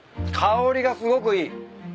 香りがすごくいい。